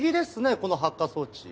この発火装置。